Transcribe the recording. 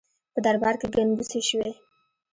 په دربار کې ګنګوسې شوې.